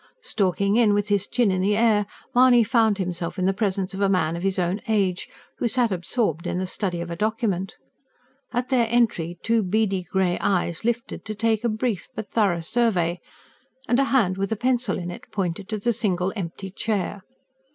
Stalking in with his chin in the air, Mahony found himself in the presence of a man of his own age, who sat absorbed in the study of a document. At their entry two beady grey eyes lifted to take a brief but thorough survey, and a hand with a pencil in it pointed to the single empty chair.